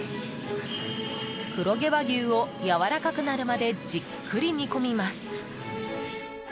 黒毛和牛をやわらかくなるまでじっくり煮込みます。